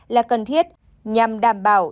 là cần thiết nhằm đảm bảo